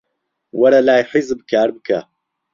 وەرە لای حیزب کار بکە.